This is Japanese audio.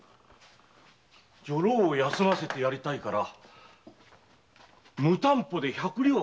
女郎を休ませてやりたいから無担保で百両貸せと？